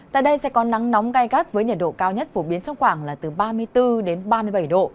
tại đây sẽ có nắng nóng gai gắt với nhiệt độ cao nhất phổ biến trong khoảng là từ ba mươi bốn đến ba mươi bảy độ